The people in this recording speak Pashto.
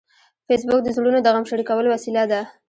فېسبوک د زړونو د غم شریکولو وسیله ده